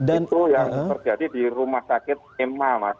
itu yang terjadi di rumah sakit emma mas